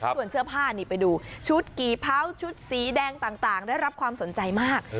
ส่วนเสื้อผ้านี่ไปดูชุดกี่เผาชุดสีแดงต่างได้รับความสนใจมาก